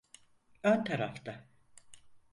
Ön tarafta.